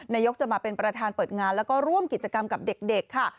นายกจะมาเป็นประธานเปิดงานแล้วก็ร่วมกิจกรรมกับเด็กค่ะ